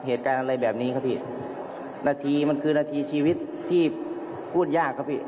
เหตุการณ์อะไรแบบนี้ครับพี่นาทีมันคือนาทีชีวิตที่พูดยากครับพี่